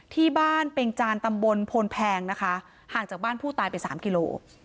ที่บ้านเป็งจานตำบลโพนแพงนะคะห่างจากบ้านผู้ตายไปสามกิโล